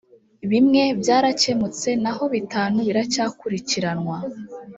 bimwe byarakemutse naho bitanu biracyakurikiranwa